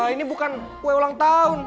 ini bukan kue ulang tahun